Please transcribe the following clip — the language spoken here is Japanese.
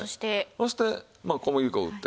そしてまあ小麦粉打って。